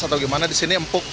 atau gimana di sini empuk